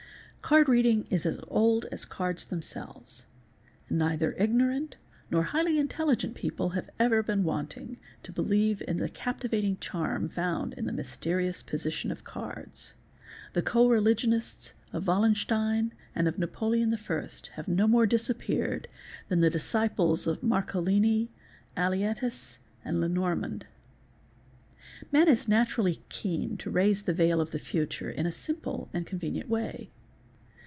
Card reading is as old as cards themselves, and neither ignorant nor highly intelligent people have ever been wanting to believe in the captivating charm found in the mysterious positions of cards; the co religionists of Wallenstein and of Napoleon I., have no more disappeared than the disciples of Marcolini, Aliettes, and Lenormand ™, Man is naturally keen to raise the veil of the future in a simple and. convenient way.